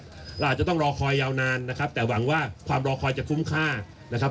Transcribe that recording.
เราอาจจะต้องรอคอยยาวนานนะครับแต่หวังว่าความรอคอยจะคุ้มค่านะครับ